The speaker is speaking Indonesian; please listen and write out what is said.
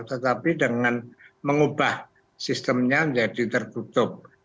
tetapi dengan mengubah sistemnya menjadi tertutup